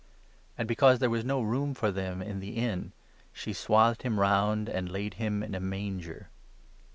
And because there was no room for them in the inn, she swathed him round and laid him in a manger.